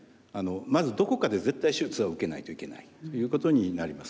まずどこかで絶対手術は受けないといけないということになります。